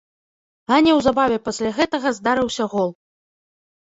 А неўзабаве пасля гэтага здарыўся гол.